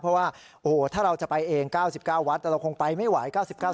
เพราะว่าโอ้โหถ้าเราจะไปเอง๙๙วัดเราคงไปไม่ไหว